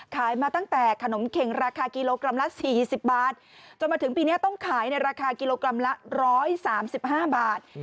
มาตั้งแต่ขนมเข็งราคากิโลกรัมละ๔๐บาทจนมาถึงปีนี้ต้องขายในราคากิโลกรัมละ๑๓๕บาท